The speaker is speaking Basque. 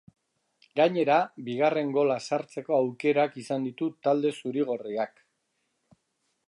Gainera, bigarren gola sartzeko aukerak izan ditu talde zuri-gorriak.